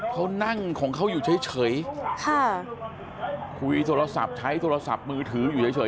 เขานั่งของเขาอยู่เฉยค่ะคุยโทรศัพท์ใช้โทรศัพท์มือถืออยู่เฉย